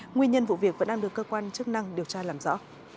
nguyên nhân vụ việc vẫn đang được cơ quan chức năng điều tra làm rõ